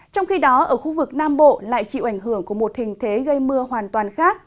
trong khi đó ở khu vực nam bộ lại chịu ảnh hưởng của một hình thế gây mưa hoàn toàn khác